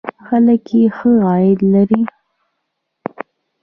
خلک یې ښه عاید لري.